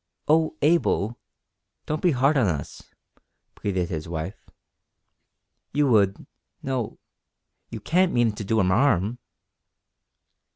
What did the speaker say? "Oh, Abel! don't be hard on us," pleaded his wife. "You would no, you can't mean to do 'im harm!"